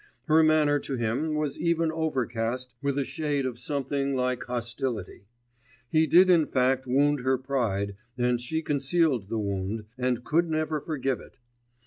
Her manner to him was even overcast with a shade of something like hostility; he did in fact wound her pride, and she concealed the wound, and could never forgive it.